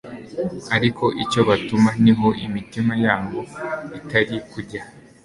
ariko icyo batumva niho imitima yabo itari kujya